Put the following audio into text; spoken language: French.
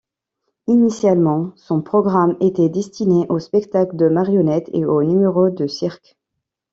Initialement, son programme était destiné aux spectacles de marionnettes et aux numéros de cirque.